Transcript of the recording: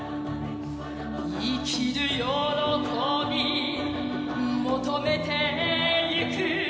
生きる歓び求めてゆく